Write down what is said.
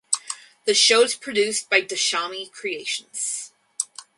The show is produced by Dashami Creations.